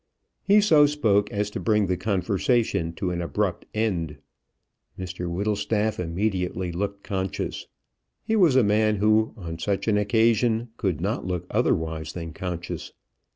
He so spoke as to bring the conversation to an abrupt end. Mr Whittlestaff immediately looked conscious. He was a man who, on such an occasion, could not look otherwise than conscious.